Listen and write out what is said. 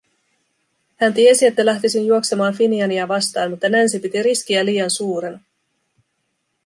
Hän tiesi, että lähtisin juoksemaan Finiania vastaan, mutta Nancy piti riskiä liian suurena.